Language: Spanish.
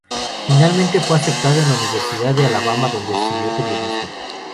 Finalmente fue aceptado en la Universidad de Alabama, donde estudió periodismo.